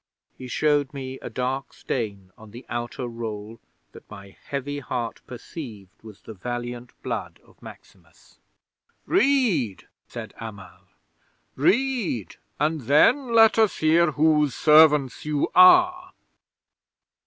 He showed me a dark stain on the outer roll that my heavy heart perceived was the valiant blood of Maximus. '"Read!" said Amal. "Read, and then let us hear whose servants you are!"